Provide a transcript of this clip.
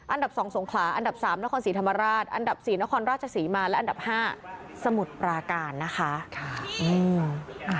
อันดับ๒สงขลาอันดับ๓นครศรีธรรมราชอันดับ๔นครราชศรีมาและอันดับ๕สมุทรปราการนะคะ